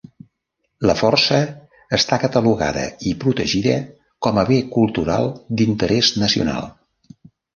La Força està catalogada i protegida com a Bé Cultural d'Interès Nacional.